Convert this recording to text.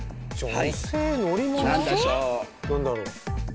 何だろう？